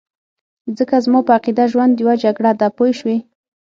ځکه زما په عقیده ژوند یو جګړه ده پوه شوې!.